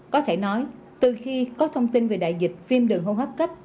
có thể nói từ khi có thông tin về đại dịch viêm đường hô hấp cấp